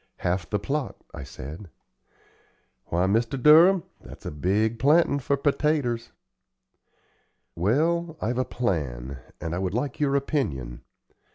"Half the plot," I said. "Why, Mr. Durham, that's a big plantin' for pertaters." "Well, I've a plan, and would like your opinion.